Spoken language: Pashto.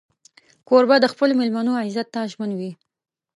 کوربه د خپلو مېلمنو عزت ته ژمن وي.